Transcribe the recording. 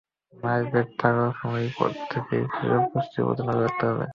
মায়ের পেটে থাকার সময় থেকেই শিশুর পুষ্টির প্রতি নজর রাখতে হবে।